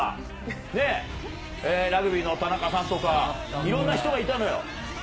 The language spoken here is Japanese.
ね、ラグビーの田中さんとか、いろんな人がいたのよ。